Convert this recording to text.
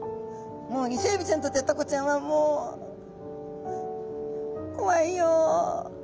もうイセエビちゃんにとってはタコちゃんはもう「怖いよ」。